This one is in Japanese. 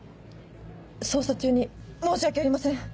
捜査中に申し訳ありません！